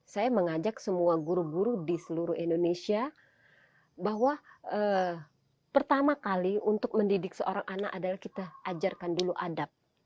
saya mengajak semua guru guru di seluruh indonesia bahwa pertama kali untuk mendidik seorang anak adalah kita ajarkan dulu adab